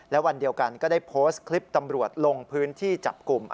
และวันเดียวกันก็ได้โพสต์คลิปตำรวจลงพื้นที่จับกลุ่ม